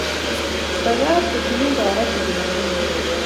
mekat kotinye kabotik kibagenge